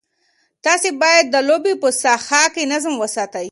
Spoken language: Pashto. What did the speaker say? تاسي باید د لوبې په ساحه کې نظم وساتئ.